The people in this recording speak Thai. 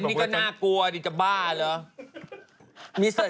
นี่ก็น่ากลัวดิจะบ้าเหรอ